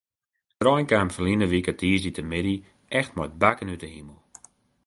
De rein kaam ferline wike tiisdeitemiddei echt mei bakken út de himel.